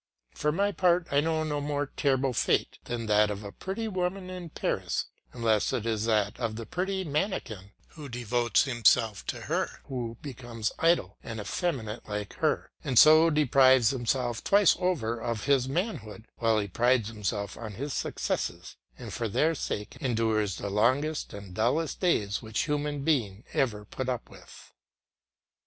For my own part I know no more terrible fate than that of a pretty woman in Paris, unless it is that of the pretty manikin who devotes himself to her, who becomes idle and effeminate like her, and so deprives himself twice over of his manhood, while he prides himself on his successes and for their sake endures the longest and dullest days which human being ever put up with.